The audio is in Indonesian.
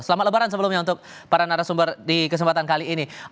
selamat lebaran sebelumnya untuk para narasumber di kesempatan kali ini